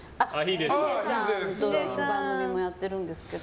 秀さんと番組もやってるんですけど。